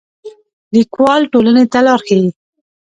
لیکوال ټولنې ته لار ښيي